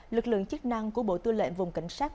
lực lượng chức năng của bộ tư lệnh vùng cảnh sát